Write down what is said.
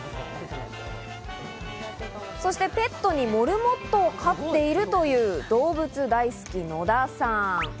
そしてペットにモルモットを飼っているという動物大好き、野田さん。